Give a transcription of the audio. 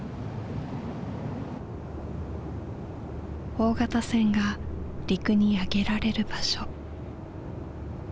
大型船が陸に揚げられる場所。